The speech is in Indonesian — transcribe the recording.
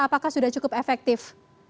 apakah sudah cukup efektif